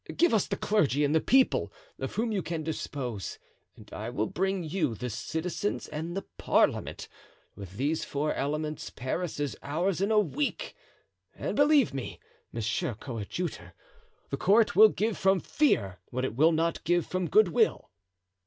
Give us the clergy and the people, of whom you can dispose, and I will bring you the citizens and the parliament; with these four elements Paris is ours in a week; and believe me, monsieur coadjutor, the court will give from fear what it will not give from good will."